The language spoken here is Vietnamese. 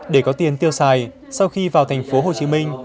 để có tiền tiêu xài sau khi vào thành phố hồ chí minh